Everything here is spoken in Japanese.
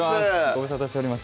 ご無沙汰しております